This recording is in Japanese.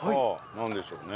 なんでしょうね？